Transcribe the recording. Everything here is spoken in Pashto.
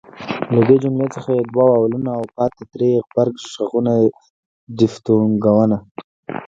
له دې جملې څخه ئې دوه واولونه او پاته درې ئې غبرګ ږغونه دیفتونګونه